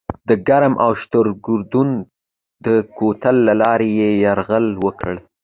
د کرم او شترګردن د کوتل له لارې یې یرغل وکړ.